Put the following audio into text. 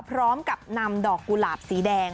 พร้อมกับนำดอกกุหลาบสีแดง